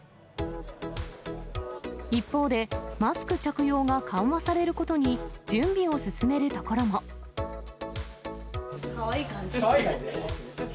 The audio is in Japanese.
一方で、マスク着用が緩和されることに、かわいい感じで。